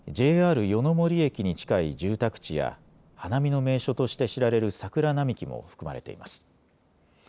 ＪＲ夜ノ森駅に近い住宅地や花見の名所として知られる桜並木も含まれています。